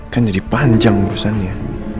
kan jadi panjang urusannya